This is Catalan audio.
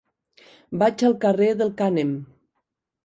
Vaig al carrer del Cànem.